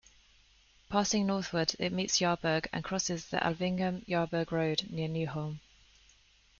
Passing northwards, it meets Yarburgh, and crosses the Alvingham-Yarburgh road near Newholme.